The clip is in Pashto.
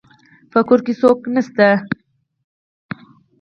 په کور کې څوک نشته